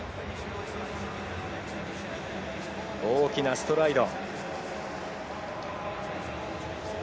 大きなストライド。